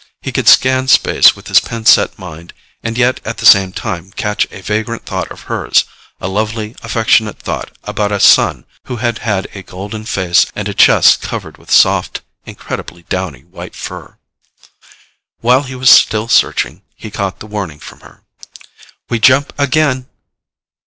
He could scan space with his pin set mind and yet at the same time catch a vagrant thought of hers, a lovely, affectionate thought about a son who had had a golden face and a chest covered with soft, incredibly downy white fur. While he was still searching, he caught the warning from her. _We jump again!